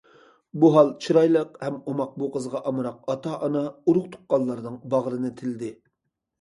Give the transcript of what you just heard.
بۇ ھال چىرايلىق ھەم ئوماق بۇ قىزغا ئامراق ئاتا- ئانا، ئۇرۇق- تۇغقانلارنىڭ باغرىنى تىلدى.